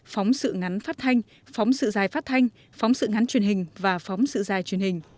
phóng sự ngắn phát thanh phóng sự dài phát thanh phóng sự ngắn truyền hình và phóng sự dài truyền hình